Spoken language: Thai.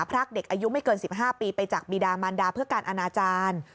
พรากเด็กอายุไม่เกิน๑๕ปีไปจากบีดามันดาเพื่อการอนาจารย์